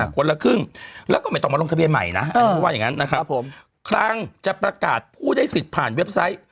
คนละครึ่งแล้วก็ไม่ต้องมาลงทะเบียนใหม่นะอันนี้ว่าอย่างนั้นนะครับผมครั้งจะประกาศผู้ได้สิทธิ์ผ่านเว็บไซต์